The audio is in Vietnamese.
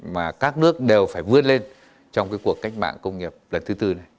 mà các nước đều phải vươn lên trong cái cuộc cách mạng công nghiệp lần thứ tư này